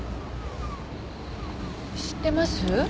知ってます？